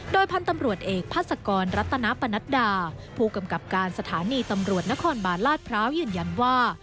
โดยพันธุ์ตำรวจเอกพัศกรรัตนปนัดดาผู้กำกับการสถานีตำรวจนครบาลลาดพร้าวยืนยันว่า